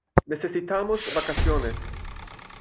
Necesitamos vacaciones.